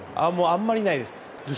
あまりないです。